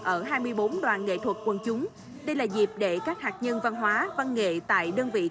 ở hai mươi bốn đoàn nghệ thuật quân chúng đây là dịp để các hạt nhân văn hóa văn nghệ tại đơn vị